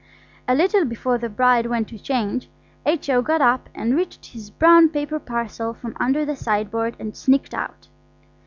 A little before the bride went to change, H.O. got up and reached his brown paper parcel from under the sideboard and sneaked out.